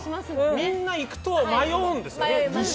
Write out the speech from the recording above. みんな行くと迷うんですよ。